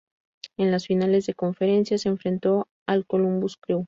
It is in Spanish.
En las finales de conferencia, se enfrentó al Columbus Crew.